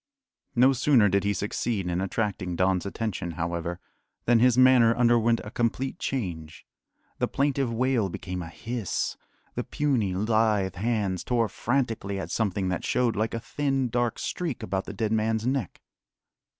No sooner did he succeed in attracting Don's attention, however, than his manner underwent a complete change. The plaintive wail became a hiss, the puny, lithe hands tore frantically at something that showed like a thin, dark streak about the dead man's neck.